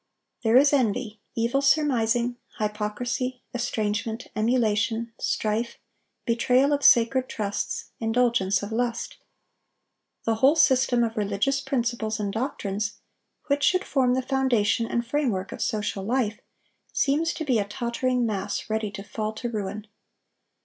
There is envy, evil surmising, hypocrisy, estrangement, emulation, strife, betrayal of sacred trusts, indulgence of lust. The whole system of religious principles and doctrines, which should form the foundation and framework of social life, seems to be a tottering mass, ready to fall to ruin.